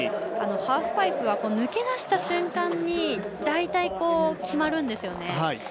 ハーフパイプは抜け出した瞬間に大体、決まるんですよね。